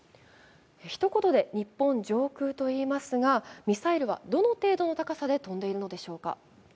ひと言で日本上空と言いますがミサイルはどの程度の高さで飛んでいるのでしょうか。